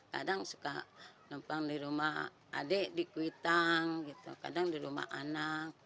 kadang suka numpang di rumah adik di kuitang gitu kadang di rumah anak